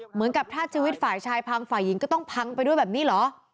เหมือนกับถ้าชีวิตฝ่ายชายพังฝ่ายหญิงก็ต้องพังไปด้วยแบบนี้เหรอ